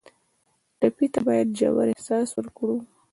ټپي ته باید ژور احساس ورکړو.